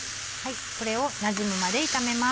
これをなじむまで炒めます。